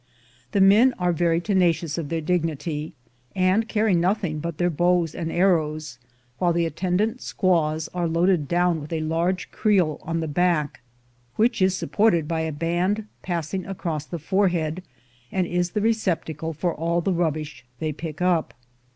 The men are very tenacious of their dignity, and carry nothing but their bows and arrows, while the attendant squaws are loaded down with a large creel on the back, which is supported by a band passing across the forehead, and is the receptacle for all the rubbish they pick up.